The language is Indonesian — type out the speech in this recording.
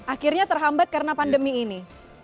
akhirnya terhambat karena pandemi ini